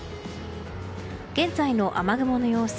現在の雨雲の様子。